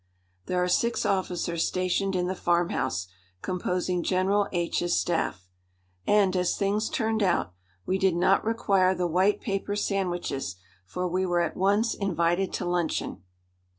There are six officers stationed in the farmhouse, composing General H 's staff. And, as things turned out, we did not require the white paper sandwiches, for we were at once invited to luncheon.